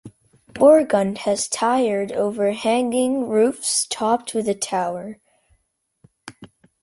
Borgund has tiered, overhanging roofs, topped with a tower.